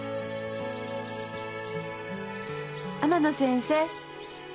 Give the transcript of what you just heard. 天野先生。